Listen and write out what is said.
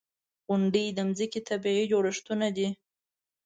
• غونډۍ د ځمکې طبعي جوړښتونه دي.